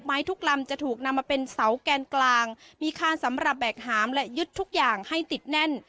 ทุกลำจะถูกนำมาเป็นเสาแกนกลางมีคานสำหรับแบกหามและยึดทุกอย่างให้ติดแน่น